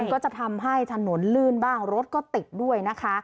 ก็จะทำให้ถนนลื่นบ้างรถก็ติดด้วยนะคะ